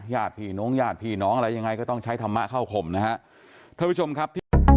ญาติผีน้องญาติผีน้องอะไรยังไงก็ต้องใช้ธรรมะเข้าขมนะครับ